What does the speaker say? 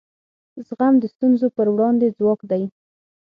زغم د ستونزو پر وړاندې ځواک دی.